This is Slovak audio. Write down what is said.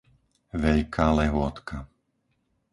Veľká Lehôtka